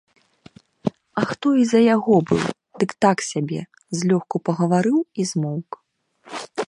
А хто і за яго быў, дык так сабе, злёгку пагаварыў і змоўк.